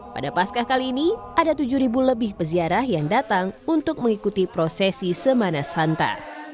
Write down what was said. pada paskah kali ini ada tujuh lebih peziarah yang datang untuk mengikuti prosesi semana santa